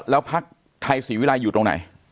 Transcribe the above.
แล้วพักไทยศรีวิรัยอยู่ตรงไหน